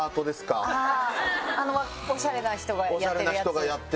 あのおしゃれな人がやってるやつ。